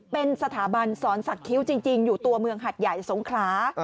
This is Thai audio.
เป็นสถาบันสอนสักคิ้วจริงอยู่ตัวเมืองหัดใหญ่สงขลา